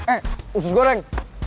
eh usus goreng